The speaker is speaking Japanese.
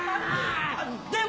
でも！